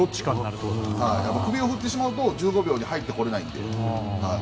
首を振ってしまうと１５秒に入ってこれないので。